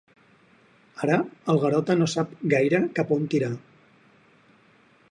Ara, el Garota no sap gaire cap on tirar.